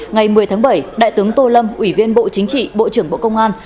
ngày một mươi tháng bảy đại tướng tô lâm ủy viên bộ chính trị bộ trưởng bộ công an